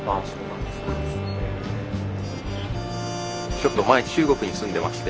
ちょっと前中国に住んでまして。